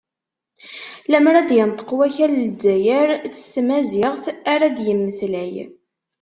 Lemmer ad d-yenṭeq wakal n Lezzayer, s tamaziɣt ara d-yemmeslay.